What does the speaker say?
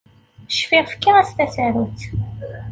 Cfiɣ fkiɣ-as tasarut.